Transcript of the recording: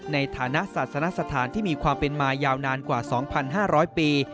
ในฐานะศาสนสถานที่มีความเป็นมายาวนานกว่า๒๕๐๐ปี